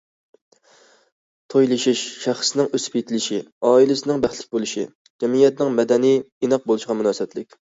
تويلىشىش شەخسنىڭ ئۆسۈپ يېتىلىشى، ئائىلىسىنىڭ بەختلىك بولۇشى، جەمئىيەتنىڭ مەدەنىي، ئىناق بولۇشىغا مۇناسىۋەتلىك.